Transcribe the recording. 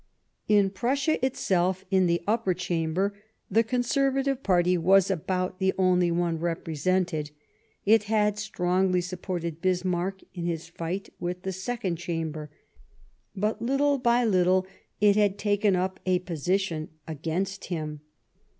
In Prussia itself, in the Upper Chamber, the Conservative party was about the only one represented ; it had strongly supported Bismarck in his fight with the Second Chamber ; but, little by little, it had taken up a position against him.